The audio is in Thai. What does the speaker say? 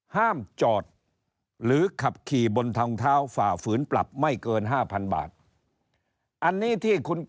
ห้ามจอดหรือขับขี่บนทางเท้าฝ่าฝืนปรับไม่เกิน๕๐๐๐บาท